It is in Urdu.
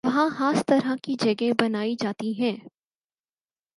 وہاں خاص طرح کی جگہیں بنائی جاتی ہیں